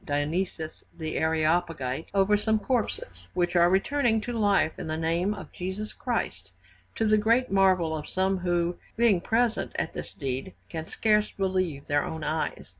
Dionysius the Areopagite over some corpses, which are returning to life in the name of Jesus Christ, to the great marvel of some who, being present at this deed, can scarce believe their own eyes.